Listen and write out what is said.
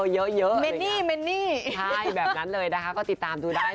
เยอะอะไรอย่างนี้นะครับใช่แบบนั้นเลยนะคะก็ติดตามดูได้